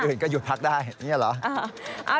อื่นก็หยุดพักได้นี่เหรอ